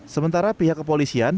sementara pihak kepolisian